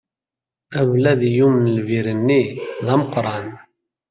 Ablaḍ iɣummen lbir-nni, d ameqran.